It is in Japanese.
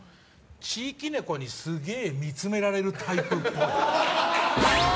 地域猫にすげえ見つめられるタイプっぽい。